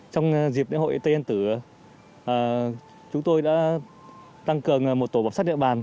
trong dịp đại hội tây yên tử chúng tôi đã tăng cường một tổ bọc sát địa bàn